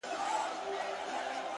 • نو بهر له محکمې به څه تیریږي ,